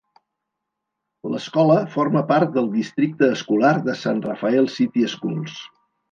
L'escola forma part del districte escolar de San Rafael City Schools.